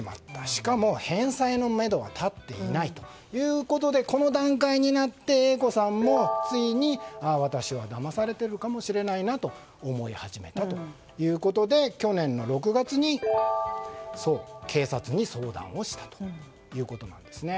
しかも返済のめどは立っていないということでこの段階になってＡ子さんもついに私はだまされているかもしれないなと思い始めたということで去年６月に警察に相談をしたということなんです。